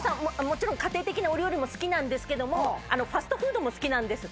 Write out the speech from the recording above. もちろん家庭的なお料理も好きなんですけどもファストフードも好きなんです